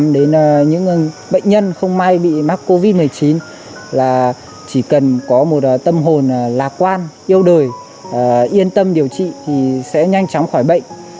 đến những bệnh nhân không may bị mắc covid một mươi chín là chỉ cần có một tâm hồn lạc quan yêu đời yên tâm điều trị thì sẽ nhanh chóng khỏi bệnh